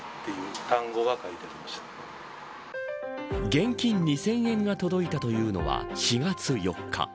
現金２０００円が届いたというのは４月４日。